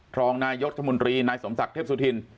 รองนายกรัฐมนตรีนายสมศักดิ์เทพสุธิน